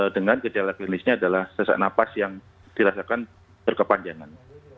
dengan kecelakaan klinisnya adalah sesak nafas yang dirasakan berkepanjangan